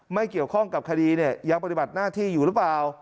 ไม่เกี่ยวข้องกับคดีเนี่ยยังปฏิบัติหน้าที่อยู่หรือเปล่า